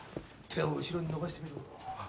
手を後ろに伸ばしてみろ。